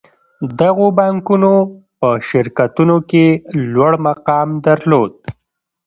دغو بانکونو په شرکتونو کې لوړ مقام درلود